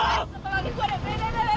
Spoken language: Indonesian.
suka lagi gua depen